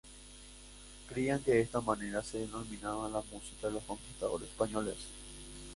Creían que de esta manera se denominaba a la música de los conquistadores españoles.